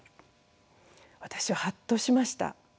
私ははっとしました。